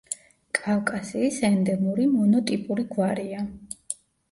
კავკასიის ენდემური მონოტიპური გვარია.